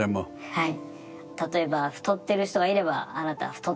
はい。